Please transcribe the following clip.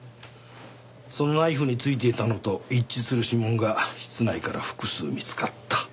そのナイフについていたのと一致する指紋が室内から複数見つかった。